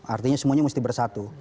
artinya semuanya mesti bersatu